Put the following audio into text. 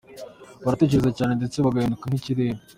Baratekereza cyane ndetse bagahinduka nk’ikirere.